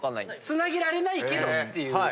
つなげられないけどって。